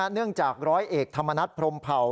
เนื่องจากร้อยเอกธรรมนัฐพรมเผ่า